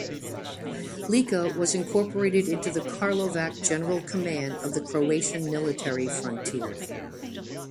Lika was incorporated into the Karlovac general command of the Croatian Military Frontier.